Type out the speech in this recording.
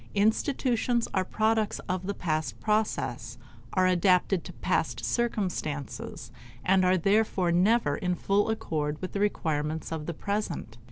Institutions are products of the past process, are adapted to past circumstances, and are therefore never in full accord with the requirements of the present.